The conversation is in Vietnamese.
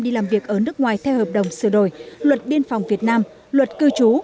đi làm việc ở nước ngoài theo hợp đồng sửa đổi luật biên phòng việt nam luật cư trú